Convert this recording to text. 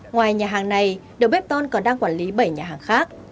ngoài nhà hàng này đầu bếp ton còn đang quản lý bảy nhà hàng khác